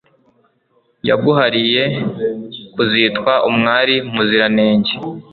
yaguhariye kuzitwa umwari muziranenge